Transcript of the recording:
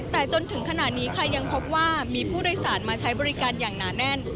แต่จนถึงขณะนี้ค่ะยังพบว่ามีผู้โดยสารมาใช้บริการอย่างหนาแน่น